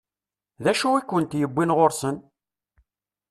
D acu i kent-yewwin ɣur-sen?